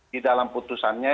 di dalam putusannya